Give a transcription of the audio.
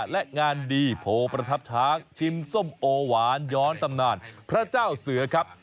และงานดีโพประทับช้างชิมส้มโอหวานย้อนตำนานพระเจ้าเสือครับ